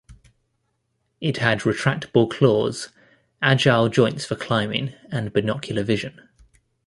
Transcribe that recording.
It had retractable claws, agile joints for climbing, and binocular vision.